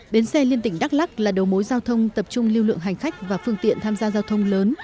bến xe liên tỉnh đắk lắc là đầu mối giao thông tập trung lưu lượng hành khách và phương tiện tham gia giao thông lớn